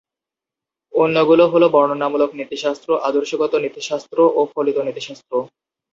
অন্যগুলো হল বর্ণনামূলক নীতিশাস্ত্র, আদর্শগত নীতিশাস্ত্র ও ফলিত নীতিশাস্ত্র।